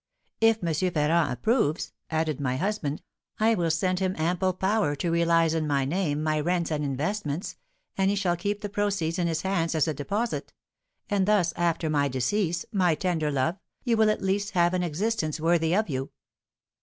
'If M. Ferrand approves,' added my husband, 'I will send him ample power to realise in my name my rents and investments, and he shall keep the proceeds in his hands as a deposit; and thus, after my decease, my tender love, you will at least have an existence worthy of you.'"